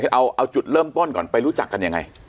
เอาจุดเริ่มต้นก่อนไปรู้จักกันยังไง